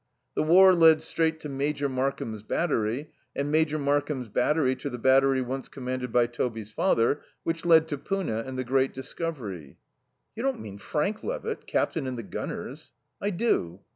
The war led straight to Major Markham's battery, and Major Markham's battery to the battery once commanded by Toby's father, which led to Poona and the great discovery. "You don't mean Frank Levitt, captain in the gunners?" "I do."